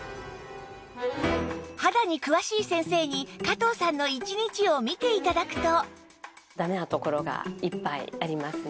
肌に詳しい先生に加藤さんの１日を見て頂くと